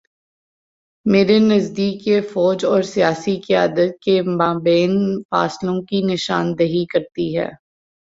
میرے نزدیک یہ فوج اور سیاسی قیادت کے مابین فاصلوں کی نشان دہی کرتی ہے۔